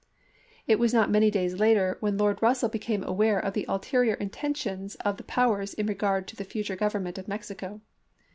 It was not many days later 42 ABRAHAM LINCOLN Chap. II. when Lord Russell became aware of the ulterior intention of the other powers in regard to the fu ture government of Mexico.